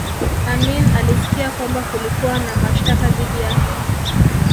amin alisikia kwamba kulikuwa na mashtaka dhidi yake